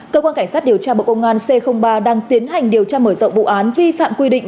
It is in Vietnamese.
cơ quan cảnh sát điều tra bộ công an c ba đang tiến hành điều tra mở rộng vụ án vi phạm quy định